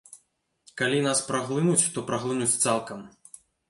Калі нас праглынуць, то праглынуць цалкам.